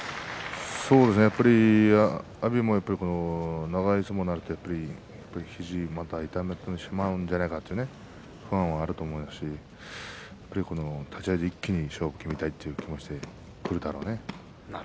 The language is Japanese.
阿炎も長い相撲になると肘、また痛めてしまうんじゃないかという不安もあると思いますし立ち合いで一気に決めたいということで、くるだろうね。